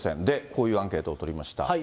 で、こういうアンケートを取りました。